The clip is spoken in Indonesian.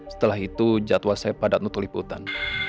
setelah itu jadwal saya padat untuk liputan